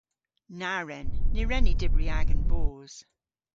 Na wren. Ny wren ni dybri agan boos.